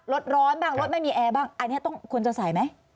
ร้อนบ้างรถไม่มีแอร์บ้างอันนี้ต้องควรจะใส่ไหม